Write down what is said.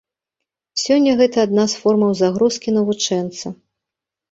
Сёння гэта адна з формаў загрузкі навучэнца.